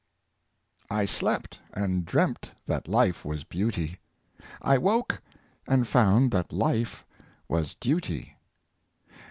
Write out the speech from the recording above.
I slept, and dreamt that life was beauty ; I woke, and found that life was duty.''